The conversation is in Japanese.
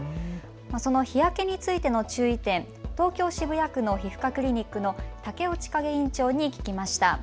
その日焼けについての注意点、東京渋谷区の皮膚科クリニックの竹尾千景院長に聞きました。